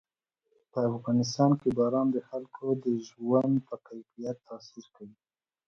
په افغانستان کې باران د خلکو د ژوند په کیفیت تاثیر کوي.